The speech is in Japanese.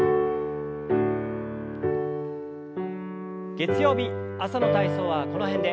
月曜日朝の体操はこの辺で。